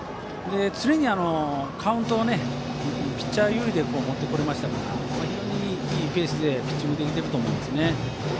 常にカウントをピッチャー有利で持ってこられましたから非常にいいペースでピッチングができていると思います。